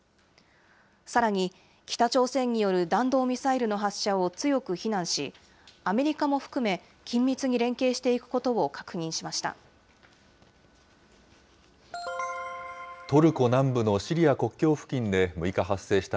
さらに北朝鮮による弾道ミサイルの発射を強く非難し、アメリカも含め、緊密に連携していくことを確認しました。